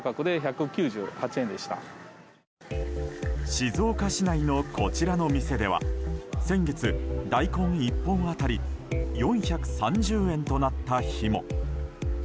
静岡市内のこちらの店では、先月大根１本当たり４３０円となった日も。